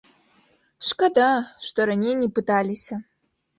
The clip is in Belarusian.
Шкада, што раней не пыталіся.